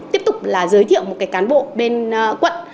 tiếp tục là giới thiệu một cái cán bộ bên quận